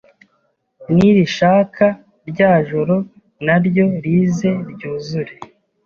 Nirishaka rya joro Naryo rize ryuzure